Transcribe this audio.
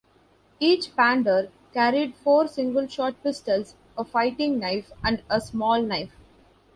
Each Pandur carried four single-shot pistols, a fighting knife and a small knife.